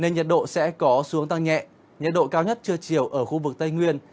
nên nhiệt độ sẽ có xuống tăng nhẹ nhiệt độ cao nhất trưa chiều ở khu vực tây nguyên